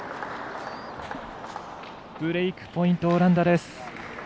ブレークポイント、オランダです。